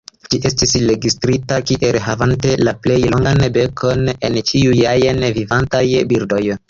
Ĝi estis registrita kiel havante la plej longan bekon el ĉiuj ajn vivantaj birdoj.